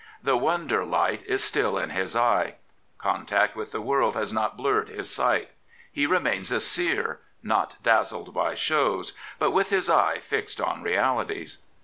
The wonder light is still in his eye. Contact with the world has not blurred his sight. He remains a seer, not dazzled by shows; but with his eye fixed on realities.